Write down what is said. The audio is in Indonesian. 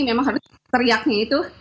memang harus teriaknya itu